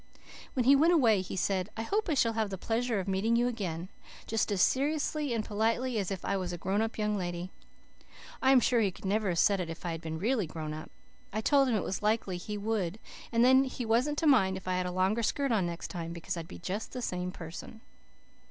When he went away he said, 'I hope I shall have the pleasure of meeting you again,' just as seriously and politely as if I was a grown up young lady. I am sure he could never have said it if I had been really grown up. I told him it was likely he would and that he wasn't to mind if I had a longer skirt on next time, because I'd be just the same person.